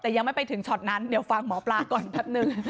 แต่ยังไม่ไปถึงช็อตนั้นเดี๋ยวฟังหมอปลาก่อนแป๊บหนึ่ง